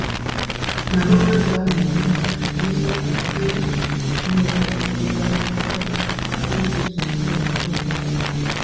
na mama zao Manyatta hizo hazina nyua za kulinda boma ili kusisitiza jukumu lao